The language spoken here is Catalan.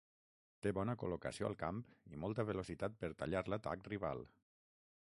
Té bona col·locació al camp i molta velocitat per tallar l'atac rival.